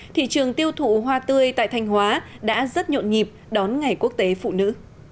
thị trường tiêu thụ hoa tươi tại thanh hóa đã rất nhộn nhịp đón ngày quốc tế phụ nữ